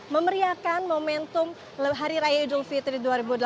memeriakan momentum hari raya idul fitri dua ribu delapan belas